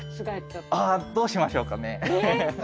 どうしましょうかね。